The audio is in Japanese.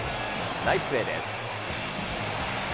ナイスプレーです。